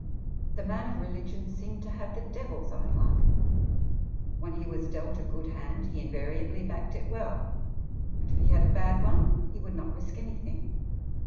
The man of religion seemed to have the Devil's own luck. When he was dealt a good hand he invariably backed it well, and if he had a bad one he would not risk anything.